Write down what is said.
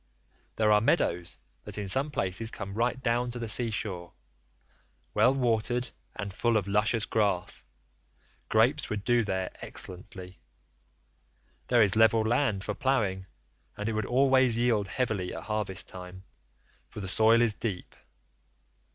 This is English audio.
There are meadows that in some places come right down to the sea shore, well watered and full of luscious grass; grapes would do there excellently; there is level land for ploughing, and it would always yield heavily at harvest time, for the soil is deep.